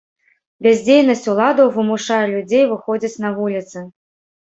Бяздзейнасць уладаў вымушае людзей выходзіць на вуліцы.